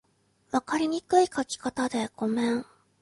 分かりにくい書き方でごめん